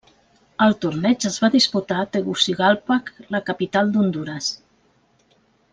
El torneig es va disputar a Tegucigalpa, la capital d'Hondures.